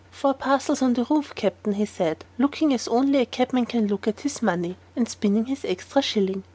"Four parcels on the roof, Captain," he said, looking as only a cabman can look at his money, and spinning his extra shilling.